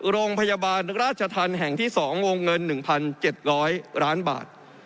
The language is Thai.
โรงพยาบาลราชธรรมแห่งที่๒วงเงิน๑๗๐๐ล้านบาท